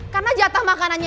karena jatah makanannya